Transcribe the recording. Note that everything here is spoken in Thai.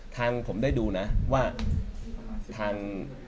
ทางผมได้ดูนะว่าทาง